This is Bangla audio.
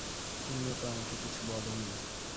তুমিও তো আমাকে কিছু বল নি।